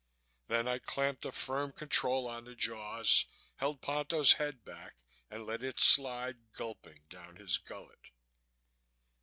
Then I clamped a firm control on the jaws, held Ponto's head back and let it slide gulping down his gullet.